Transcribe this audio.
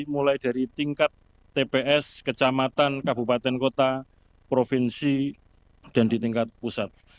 mulai dari tingkat tps kecamatan kabupaten kota provinsi dan di tingkat pusat